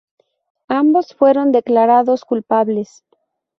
Ambos fueron declarados culpables.